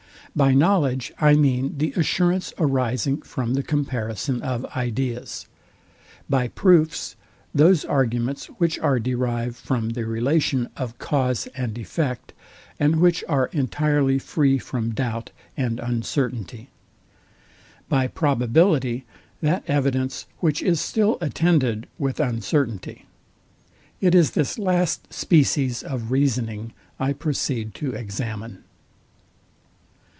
By knowledge, I mean the assurance arising from the comparison of ideas. By proofs, those arguments, which are derived from the relation of cause and effect, and which are entirely free from doubt and uncertainty. By probability, that evidence, which is still attended with uncertainty. It is this last species of reasoning, I proceed to examine.